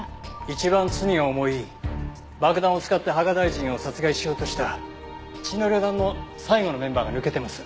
一番罪が重い爆弾を使って芳賀大臣を殺害しようとした血の旅団の最後のメンバーが抜けてます。